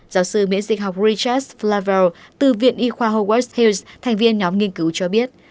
giáo sư miễn dịch học richard flavel từ viện y khoa howard hills thành viên nhóm nghiên cứu cho biết